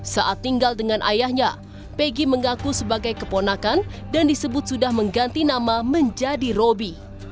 saat tinggal dengan ayahnya peggy mengaku sebagai keponakan dan disebut sudah mengganti nama menjadi roby